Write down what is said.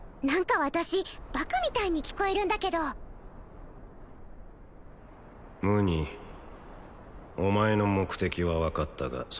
何か私バカみたいに聞こえるんだけどムニお前の目的は分かったが